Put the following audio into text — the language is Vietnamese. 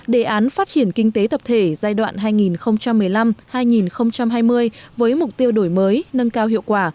đề án phát triển kinh tế tập thể giai đoạn hai nghìn một mươi năm hai nghìn hai mươi với mục tiêu đổi mới nâng cao hiệu quả